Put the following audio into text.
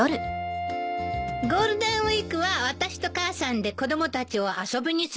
ゴールデンウィークは私と母さんで子供たちを遊びに連れていくわ。